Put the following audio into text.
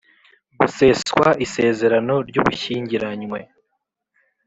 guseswa isezerano ry’ubushyingiranywe